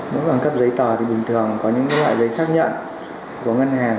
nếu mà cấp giấy tòa thì bình thường có những loại giấy xác nhận của ngân hàng